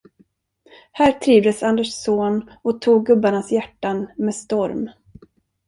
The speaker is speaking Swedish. Här trivdes Anders Zorn och tog gubbarnas hjärtan med storm.